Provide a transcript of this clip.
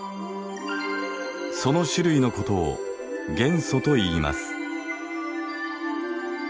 その種類のことを元素といいます。